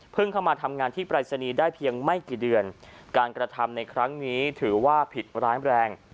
เข้ามาทำงานที่ปรายศนีย์ได้เพียงไม่กี่เดือนการกระทำในครั้งนี้ถือว่าผิดร้ายแรง